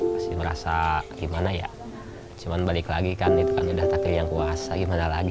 masih merasa gimana ya cuma balik lagi kan itu kan udah tak yang kuasa gimana lagi